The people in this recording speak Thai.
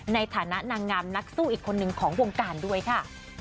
ในฐานะนางงามนักสู้อีกคนนึงของวงการด้วยค่ะ